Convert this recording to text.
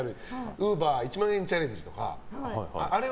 ウーバー１万円チャレンジとか。